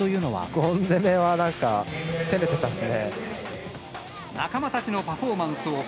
ごん攻めは、なんか、攻めてたっすね。